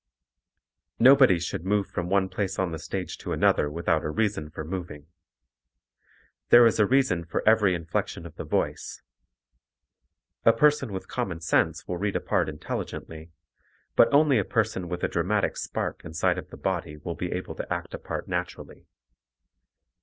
Nobody should move from one place on the stage to another without a reason for moving. There is a reason for every inflection of the voice. A person with common sense will read a part intelligently, but only a person with a dramatic spark inside of the body will be able to act a part naturally.